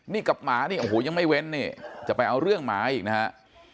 นี่กับหมานี่โอ้โหยังไม่เว้นนี่จะไปเอาเรื่องหมาอีกนะฮะ